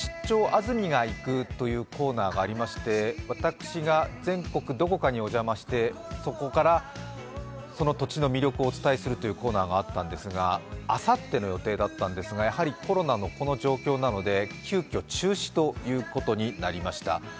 安住がいく」というコーナーがありまして私が全国どこかにお邪魔して、そこからその土地の魅力をお伝えするというコーナーがあったんですが、あさっての予定だったんですがやはりコロナのこの状況なので急きょ中止ということになりました。